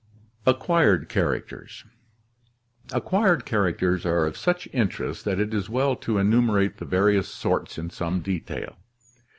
Acquired Characters Acquired characters are of such interest that it is well to enu merate the various sorts in some detail.